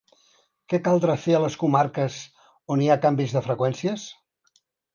Què caldrà fer a les comarques on hi ha canvis de freqüències?